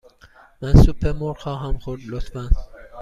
من سوپ مرغ خواهم خورد، لطفاً.